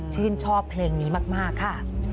ชื่นชอบเพลงนี้มากค่ะ